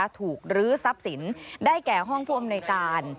รื้อทรัพย์สินได้แก่ห้องผู้อำนวยการ